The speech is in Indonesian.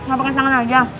gapake tangan aja